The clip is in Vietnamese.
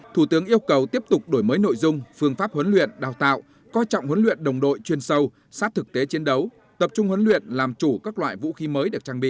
thủ tướng yêu cầu tiếp tục đổi mới nội dung phương pháp huấn luyện đào tạo coi trọng huấn luyện đồng đội chuyên sâu sát thực tế chiến đấu tập trung huấn luyện làm chủ các loại vũ khí mới được trang bị